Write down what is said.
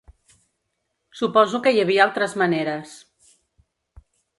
Suposo que hi havia altres maneres.